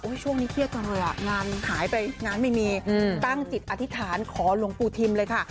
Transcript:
ช่วงนี้เครียดจังเลยอ่ะงานหายไปงานไม่มีตั้งจิตอธิษฐานขอหลวงปู่ทิมเลยค่ะ